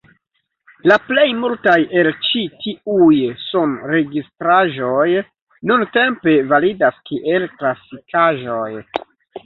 La plej multaj el ĉi tiuj sonregistraĵoj nuntempe validas kiel klasikaĵoj.